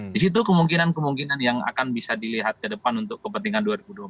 di situ kemungkinan kemungkinan yang akan bisa dilihat ke depan untuk kepentingan dua ribu dua puluh empat